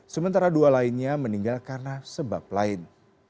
sementara dua lainnya meninggal karena sebab lain